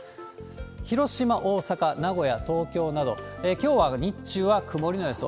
広島、大阪、名古屋、東京など、きょうは日中は曇りの予想。